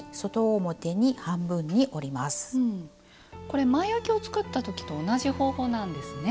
これ前あきを作った時と同じ方法なんですね。